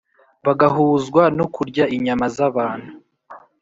bagahuzwa no kurya inyama z’abantu,